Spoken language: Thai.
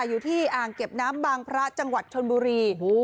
อยู่ที่อ่างเก็บน้ำบางพระจังหวัดชนบุรี